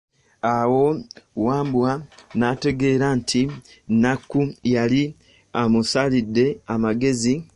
Awo Wambwa n'ategeera nti Nakku yali amusalidde amagezi.